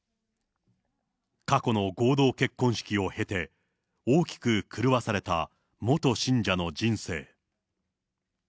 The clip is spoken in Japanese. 過去の合同結婚式を経て、大きく狂わされた元信者の人生。